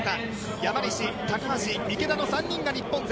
山西、高橋、池田の３人が日本勢。